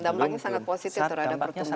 dampaknya sangat positif terhadap pertumbuhan